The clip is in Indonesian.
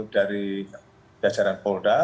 dari jajaran polda